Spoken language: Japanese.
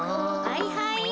はいはい。